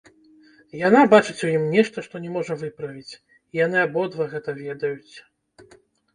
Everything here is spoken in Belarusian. Яна бачыць у ім нешта, што не можа выправіць, і яны абодва гэта ведаюць.